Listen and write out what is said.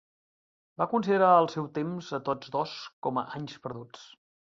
Va considerar el seu temps a tots dos com a "anys perduts".